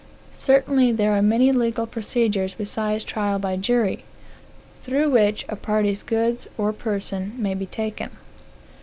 Certainly there are many legal procedures besides trial by jury, through which a party's goods or person may be taken.